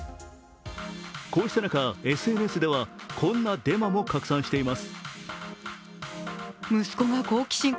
こうした中、ＳＮＳではこんなデマも拡散しています。